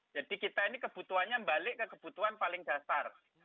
jadi kita ini kebutuhannya balik ke kebutuhan paling dasar